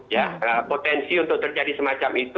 ya potensi untuk terjadi semacam itu